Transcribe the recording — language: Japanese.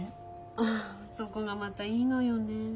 ああそこがまたいいのよねえ。